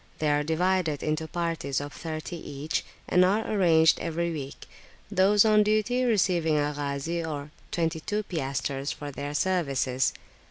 They are divided into parties of thirty each, and are changed every week, those on duty receiving a Ghazi or twenty two piastres for their services.